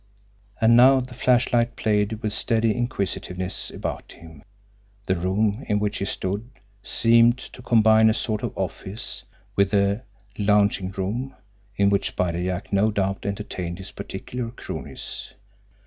And now the flashlight played with steady inquisitiveness about him. The room in which he stood seemed to combine a sort of office, with a lounging room, in which Spider Jack, no doubt, entertained his particular cronies.